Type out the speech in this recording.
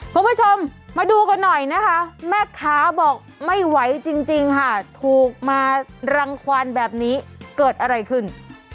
คุณผู้ชมมาดูกันหน่อยนะคะแม่ค้าบอกไม่ไหวจริงค่ะถูกมารังควันแบบนี้เกิดอะไรขึ้น